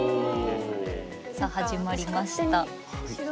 さあ始まりました。